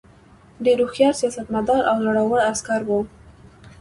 ډېر هوښیار سیاستمدار او زړه ور عسکر وو.